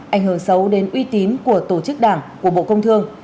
ảnh hưởng xấu đến uy tín của tổ chức đảng của bộ công thương